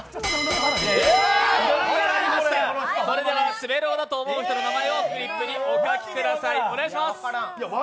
滑狼だと思う人の名前をフリップにお書きください。